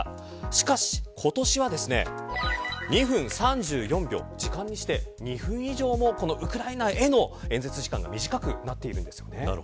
しかし、今年は２分３４秒時間にして２分以上もウクライナへの演説時間が短くなっているんですよね。